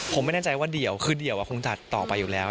ผมไม่แน่ใจว่าเดี่ยวคือเดี่ยวคงจัดต่อไปอยู่แล้ว